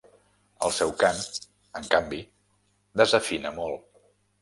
El seu cant, en canvi, desafina molt.